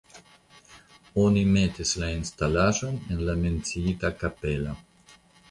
Oni metis la instalaĵojn el la menciita kapelo.